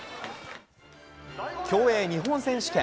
競泳日本選手権。